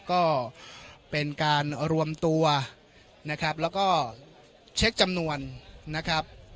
ก็เป็นการรวมตัวนะครับแล้วก็เช็คจำนวนนะครับ